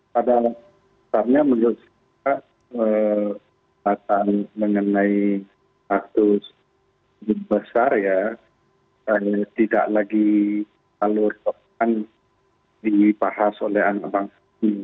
padahal menurut saya bahkan mengenai status besar ya tidak lagi lalu dipahas oleh anak bangsa ini